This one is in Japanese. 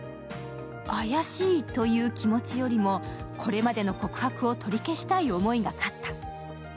怪しいという気持ちよりも、これまでの告白を取り消したい思いが勝った。